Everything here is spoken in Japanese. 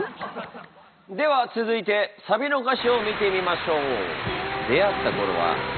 では続いてサビの歌詞を見てみましょう。